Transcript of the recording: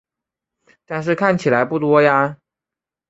但是看起来不多呀